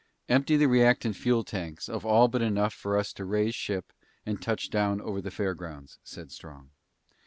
"Empty the reactant fuel tanks of all but enough for us to raise ship and touch down over to the fairgrounds," said Strong.